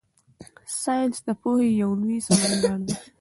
ساینس د پوهې یو لوی سمندر دی.